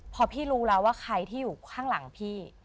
พอพี่รู้แล้วว่าใครที่อยู่ข้างหลังพี่